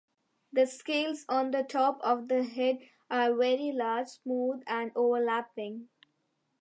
The scales on the top of the head are very large, smooth, and overlapping.